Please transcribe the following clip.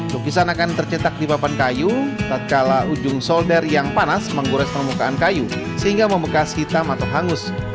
lukisan akan tercetak di papan kayu tak kala ujung solder yang panas menggores permukaan kayu sehingga membekas hitam atau hangus